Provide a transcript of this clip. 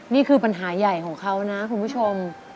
นี่คือปัญหาใหญ่ของเขานะคุณผู้ชม